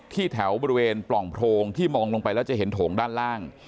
แถวบริเวณปล่องโพรงที่มองลงไปแล้วจะเห็นโถงด้านล่าง